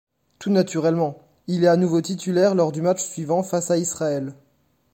Tout naturellement, il est à nouveau titulaire lors du match suivant face à Israël.